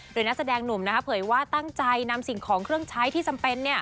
โดยนักแสดงหนุ่มเผยว่าตั้งใจนำสิ่งของเครื่องใช้ที่จำเป็น